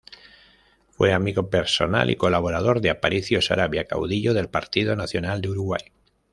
Fue amigo personal y colaborador de Aparicio Saravia, caudillo del Partido Nacional de Uruguay.